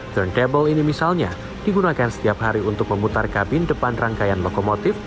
turn kabel ini misalnya digunakan setiap hari untuk memutar kabin depan rangkaian lokomotif